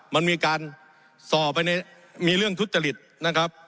มันมีการส่อไปในมีเรื่องทุจริตนะครับ